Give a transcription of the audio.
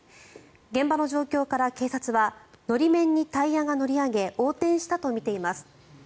現場の状況から警察は法面にタイヤが乗り上げ横転したとみています。